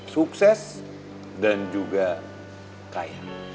sukses dan juga kaya